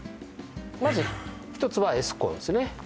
まず１つはエスコンですね